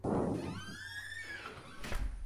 El estadio no tiene luces de campo.